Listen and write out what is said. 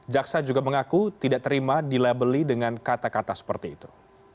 jaksa juga mengaku tidak terima dilabeli dengan kata kata seperti itu